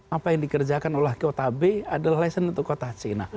apa yang dikerjakan oleh kota b adalah lesson untuk kota c